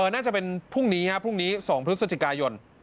น่าจะเป็นพรุ่งนี้๒พฤศจิกายน